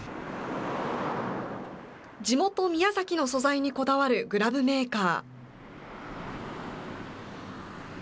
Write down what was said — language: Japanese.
地元、宮崎の素材にこだわるグラブメーカー。